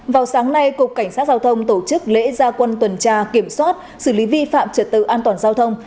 vào sáng nay cục cảnh sát giao thông tổ chức lễ gia quân tuần tra kiểm soát xử lý vi phạm trật tự an toàn giao thông